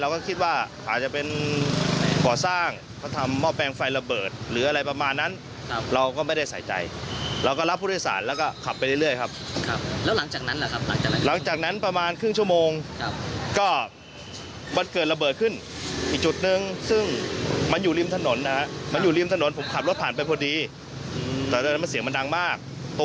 ขับรถผ่านไปพอดีแต่เสียงมันดังมาก